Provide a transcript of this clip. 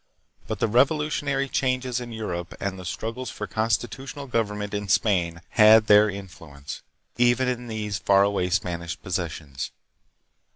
But the revolutionary changes in Europe and the struggles for constitutional government in Spain had their influ ence, even in these far away Spanish possessions.